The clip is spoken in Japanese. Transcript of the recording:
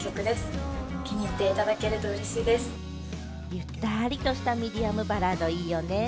ゆったりとしたミディアムバラード、いいよね。